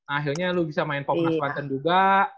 akhirnya lu bisa main popnas london juga